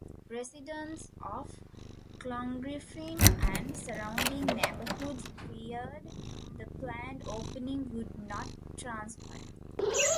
Residents of Clongriffin and surrounding neighbourhoods feared the planned opening would not transpire.